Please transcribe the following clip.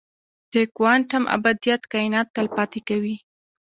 د کوانټم ابدیت کائنات تل پاتې کوي.